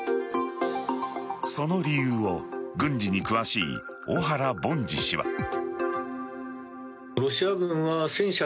その理由を軍事に詳しい小原凡司氏は。